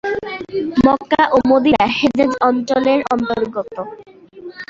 মক্কা ও Medina Hejaz অঞ্চলের অন্তর্গত।